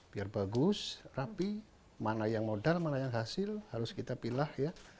biar bagus rapi mana yang modal mana yang hasil harus kita pilih ya